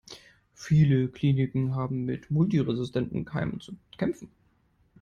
Viele Kliniken haben mit multiresistenten Keimen zu kämpfen.